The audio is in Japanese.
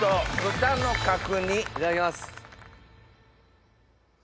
いただきます！